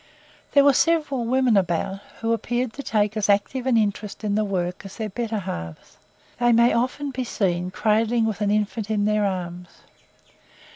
There were several women about, who appeared to take as active an interest in the work as their "better halves." They may often be seen cradling with an infant in their arms.